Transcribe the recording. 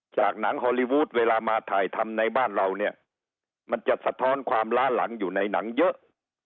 หนังฮอลลีวูดเวลามาถ่ายทำในบ้านเราเนี่ยมันจะสะท้อนความล้าหลังอยู่ในหนังเยอะ